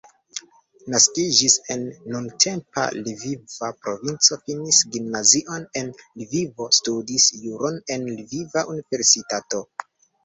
Naskiĝis en nuntempa Lviva provinco, finis gimnazion en Lvivo, studis juron en Lviva Universitato.